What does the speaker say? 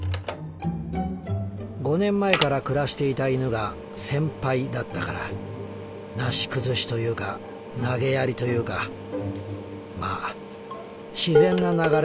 ５年前から暮らしていた犬がセンパイだったからなし崩しというか投げやりというかまあ自然な流れでそのネーミングに。